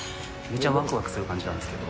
めちゃわくわくする感じなんです